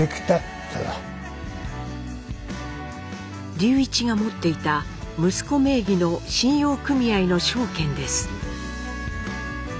隆一が持っていた息子名義の信用組合の証券です。